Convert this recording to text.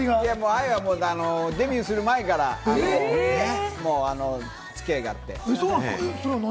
ＡＩはデビューする前から、もう付き合いがあって。